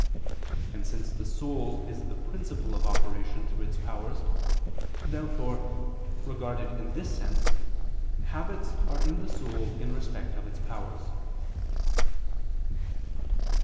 And since the soul is the principle of operation through its powers, therefore, regarded in this sense, habits are in the soul in respect of its powers.